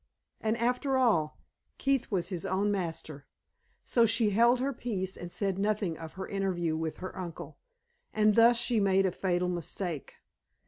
And, after all, Keith was his own master. So she held her peace and said nothing of her interview with her uncle; and thus she made a fatal mistake.